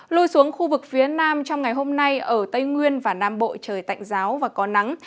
lui xuống khu vực phía nam trong ngày hôm nay ở tây nguyên và nam bộ trời tạnh giáo và có nắng